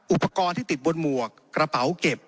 อุปกรณ์ที่ติดบนหมวกกระเป๋าเก็บ